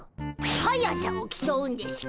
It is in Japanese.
速さをきそうんでしゅか。